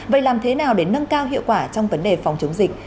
vậy làm thế nào để nâng cao hiệu quả trong vấn đề phòng chống dịch